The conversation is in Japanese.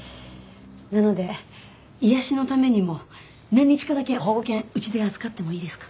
なので癒やしのためにも何日かだけ保護犬うちで預かってもいいですか？